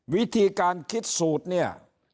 วิธีการคิดสูตรเนี่ย